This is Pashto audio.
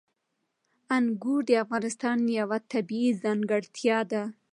انګور د افغانستان یوه طبیعي ځانګړتیا ده.